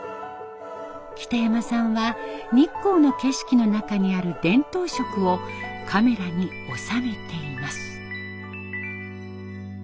北山さんは日光の景色の中にある伝統色をカメラに収めています。